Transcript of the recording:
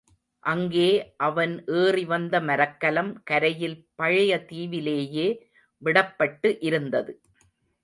அங்கே அவன் ஏறிவந்த மரக்கலம் கரையில் பழைய தீவிலேயே விடப்பட்டு இருந்தது.